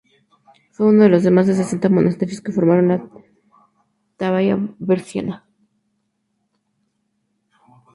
Fue uno de los más de sesenta monasterios que formaron la Tebaida berciana.